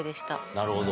なるほど。